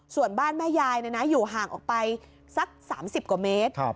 ส่วนบ้านแม่ยายอยู่ห่างออกไปสัก๓๐กว่าเมตร